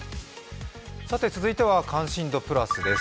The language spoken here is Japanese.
続いては「関心度プラス」です。